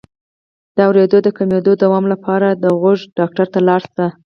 د اوریدو د کمیدو د دوام لپاره د غوږ ډاکټر ته لاړ شئ